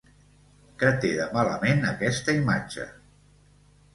Què té de malament aquesta imatge?